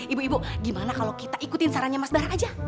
ibu ibu gimana kalau kita ikutin sarannya mas bara aja